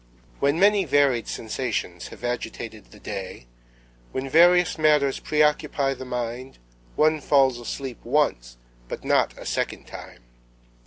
When many varied sensations have agitated the day, when various matters preoccupy the mind, one falls asleep once, but not a second time.